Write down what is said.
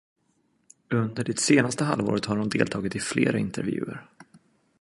Under det senaste halvåret har hon deltagit i flera intervjuer.